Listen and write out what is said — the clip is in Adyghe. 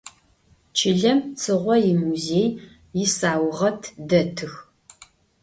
Çılem Tsığo yimuzêiy yisauğeti detıx.